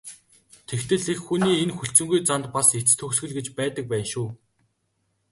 Тэгтэл эх хүний энэ хүлцэнгүй занд бас эцэс төгсгөл гэж байдаг байна шүү.